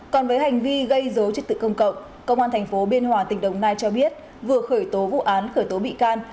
còn với hành vi gây dấu chất tự công cộng công an thành phố biên hòa tỉnh đồng nai cho biết vừa khởi tố vụ án khởi tố bị can